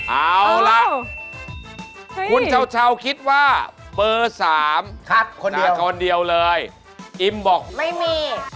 เอาล่ะคุณเช้าคิดว่าเบอร์๓เหลือทอนเดียวเลยอิมบอกไม่มี